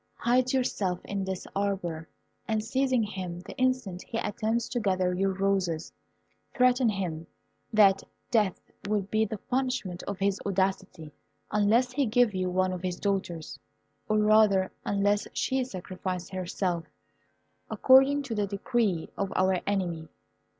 Hide yourself in this arbour, and seizing him the instant he attempts to gather your roses, threaten him that death will be the punishment of his audacity, unless he give you one of his daughters; or, rather, unless she sacrifice herself, according to the decree of our enemy.